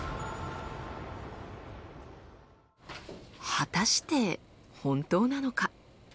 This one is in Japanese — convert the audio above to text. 果たして本当なのか？